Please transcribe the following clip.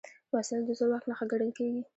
وسله د زور واک نښه ګڼل کېږي